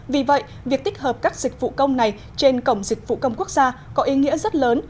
vì vậy việc tích hợp các dịch vụ công này trên cổng dịch vụ công quốc gia có ý nghĩa rất lớn